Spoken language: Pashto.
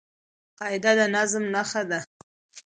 قاعده د نظم نخښه ده.